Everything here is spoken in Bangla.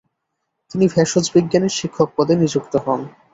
তিনি ভেষজবিজ্ঞানের শিক্ষক পদে নিযুক্ত হন।